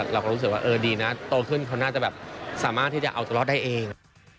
เราก็รู้สึกว่าเออดีนะโตขึ้นเขาน่าจะแบบสามารถที่จะเอาตัวรอดได้เอง